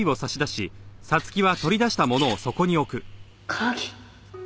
鍵？